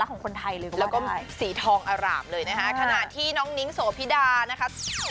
แล้วก็สีทองอร่ามเลยนะคะขณะที่น้องนิ้งสวพิดานะคะ